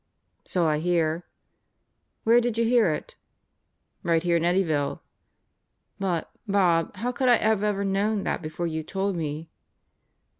"So I hear." "Where did you hear it?" "Right here in Eddyville." "But, Bob, how could I have ever known that before you told me?"